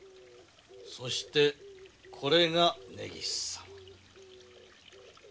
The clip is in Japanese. そしてこれが根岸様の。